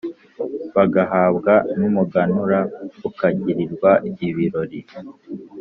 bagahabwa n’umuganura ukagirirwa ibirori.